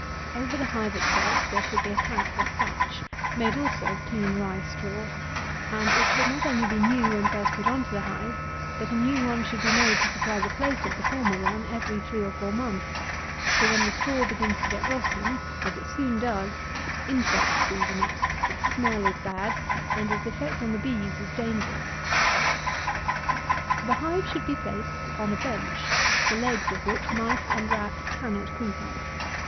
Over the hive itself there should be a cap of thatch, made also of clean rye straw; and it should not only be new when first put on the hive; but a new one should be made to supply the place of the former one every three or four months; for when the straw begins to get rotten, as it soon does, insects breed in it, its smell is bad, and its effect on the bees is dangerous. 161. The hive should be placed on a bench, the legs of which mice and rats cannot creep up.